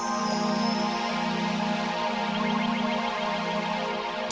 gak bisa sih